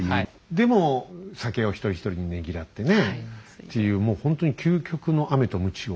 でも酒を一人一人にねぎらってねっていうもうほんとに究極のアメとムチを。